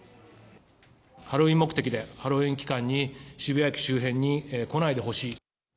ハロウィーン目的で、ハロウィーン期間に渋谷駅周辺に来ないでほしい。